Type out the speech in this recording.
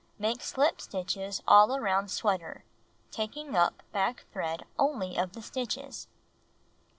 Make slip stitches all around sweater taking up back thread only of the stitches.